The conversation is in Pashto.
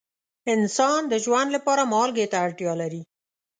انسان د ژوند لپاره مالګې ته اړتیا لري.